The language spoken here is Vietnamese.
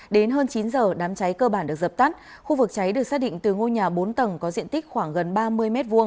đến hơn chín giờ đám cháy cơ bản được dập tắt khu vực cháy được xác định từ ngôi nhà bốn tầng có diện tích khoảng gần ba mươi m hai